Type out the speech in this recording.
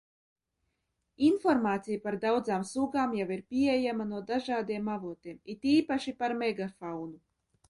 Informācija par daudzām sugām jau ir pieejama no dažādiem avotiem, it īpaši par megafaunu.